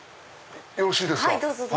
よろしいですか。